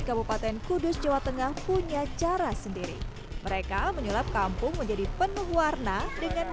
kabupaten kudus jawa tengah punya cara sendiri mereka menyulap kampung menjadi penuh warna dengan